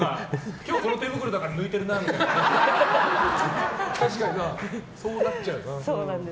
今日、この手袋だから抜いてるなみたいな。